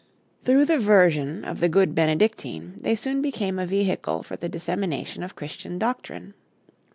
Through the version of the good Benedictine they soon became a vehicle for the dissemination of Christian doctrine.